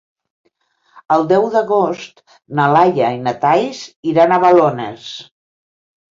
El deu d'agost na Laia i na Thaís iran a Balones.